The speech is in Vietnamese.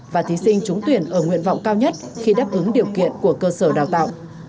và thí sinh trúng tuyển ở nguyện vọng cao nhất khi đáp ứng điều kiện của cơ sở đào tạo